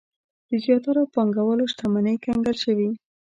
د زیاترو پانګوالو شتمنۍ کنګل شوې.